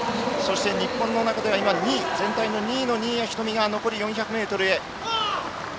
日本の中では全体の２位の新谷仁美は残り４００ｍ。